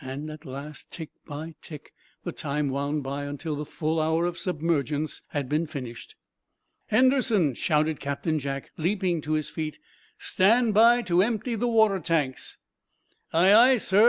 At last, tick by tick, the time wound by until the full hour of submergence had been finished. "Henderson!" shouted Captain Jack, leaping to his feet, "stand by to empty the water tanks!" "Aye, aye, sir!"